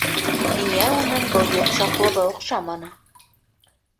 Миңә уның был йомшаҡлығы оҡшаманы.